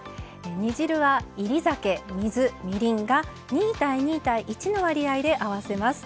煮汁は煎り酒水みりんが２：２：１の割合で合わせます。